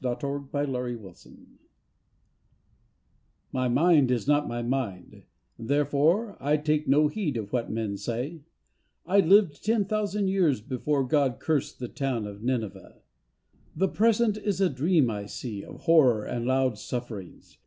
247 AFTER COURT MARTIAL My mind is not my mind, therefore I take no heed of what men say, I lived ten thousand years before God cursed the town of Nineveh. The Present is a dream I see Of horror and loud sufferings.